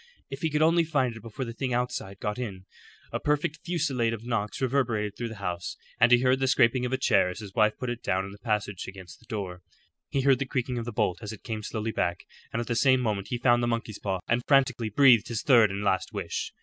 If he could only find it before the thing outside got in. A perfect fusillade of knocks reverberated through the house, and he heard the scraping of a chair as his wife put it down in the passage against the door. He heard the creaking of the bolt as it came slowly back, and at the same moment he found the monkey's paw, and frantically breathed his third and last wish.